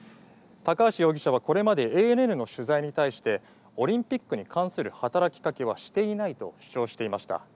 高橋容疑者はこれまでＡＮＮの取材に対してオリンピックに関する働きかけはしていないと主張していました。